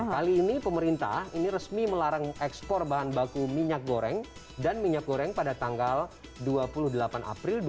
kali ini pemerintah ini resmi melarang ekspor bahan baku minyak goreng dan minyak goreng pada tanggal dua puluh delapan april dua ribu dua puluh